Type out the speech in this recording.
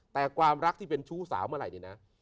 แต่ความรักที่เป็นชู้สาวเมื่อไหร่เนี่ยนะ